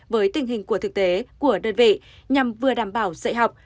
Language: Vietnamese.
với tình hình của thực tế của đơn vị nhằm vừa đảm bảo dạy học